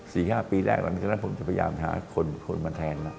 สี่ห้าปีแรกผมได้พยายามหาคนมาแทง